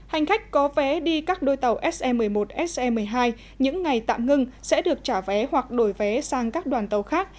hành khách có vé đi các đôi tàu se một mươi một se một mươi hai những ngày tạm ngưng sẽ được trả vé hoặc đổi vé sang các đoàn tàu khác